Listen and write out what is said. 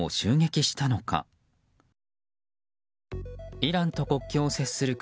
イランと国境を接する国